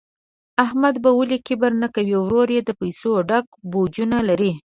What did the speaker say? احمد به ولي کبر نه کوي، ورور یې د پیسو ډک بوجونه لري.